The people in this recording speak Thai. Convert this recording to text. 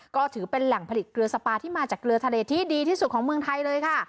ก็ถือเป็นแหล่งผลิตเกลือสปาที่มาจากเกลือทะเลที่ดีที่สุดของเมืองไทยเลยค่ะ